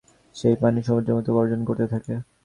সেই পানি সমুদ্রের মতো গর্জন করতে থাকে।